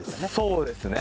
そうですね。